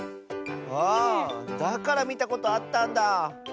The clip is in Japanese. あだからみたことあったんだ。